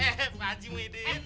eh eh maji muhidin